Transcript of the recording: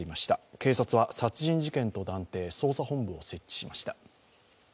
警察は殺人事件と断定、捜査本部を設置しました。